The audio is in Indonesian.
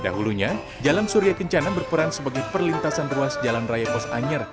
dahulunya jalan surya kencana berperan sebagai perlintasan ruas jalan raya pos anyer